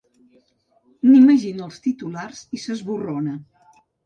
N'imagina els titulars i s'esborrona.